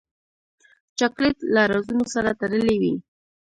چاکلېټ له رازونو سره تړلی وي.